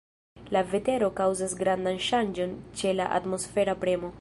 La vetero kaŭzas grandan ŝanĝon ĉe la atmosfera premo.